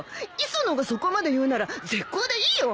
磯野がそこまで言うなら絶交でいいよ！